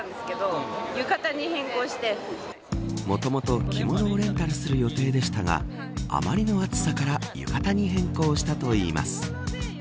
もともと、着物をレンタルする予定でしたがあまりの暑さから浴衣に変更したといいます。